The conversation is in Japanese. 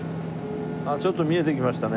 ちょっと見えてきましたね。